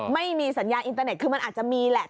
ไม่มีสัญญาณอินเตอร์เน็ตคือมันอาจจะมีแหละ